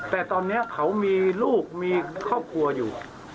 แต่ตอนนี้เขามีลูกมีครอบครัวอยู่